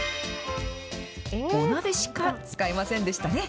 お鍋しか使いませんでしたね。